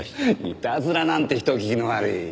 いたずらなんて人聞きの悪い。